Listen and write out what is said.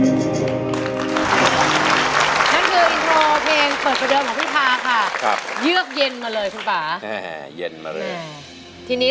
วันนี้ครับกล้าลาด้วยพบชื่อเรื่องแข็นตี้